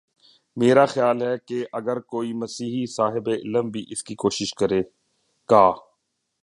میرا خیال ہے کہ اگر کوئی مسیحی صاحب علم بھی اس کی کوشش کرے گا۔